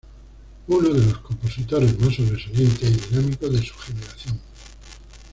Uno los compositores más sobresalientes y dinámicos de su generación.